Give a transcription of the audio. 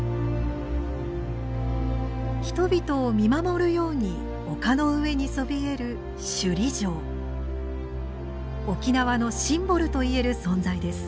人々を見守るように丘の上にそびえる沖縄のシンボルといえる存在です。